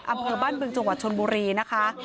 อำเภอบ้านบึงจังหวัดชนบุรีนะคะ